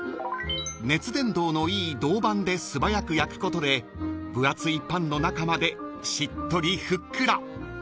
［熱伝導のいい銅板で素早く焼くことで分厚いパンの中までしっとりふっくら］